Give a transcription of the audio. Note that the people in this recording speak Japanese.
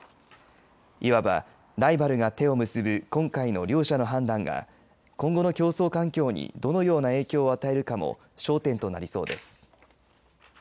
いわばライバルが手を結ぶ今回の両社の判断が今後の競争環境にどのような影響を与えるかも焦点となりそうです。